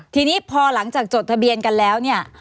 ทีนี้พอหลังจากจดทะเบียนกันแล้วเนี่ย